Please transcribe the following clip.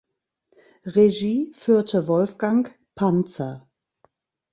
Regie führte Wolfgang Panzer.